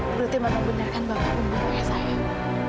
berarti bapak benarkan bapak pembunuhnya sayang